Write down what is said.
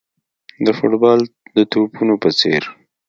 د فوټبال د توپونو په څېر.